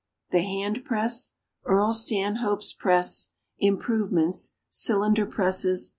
The Hand press. Earl Stanhope's Press. Improvements. Cylinder Presses.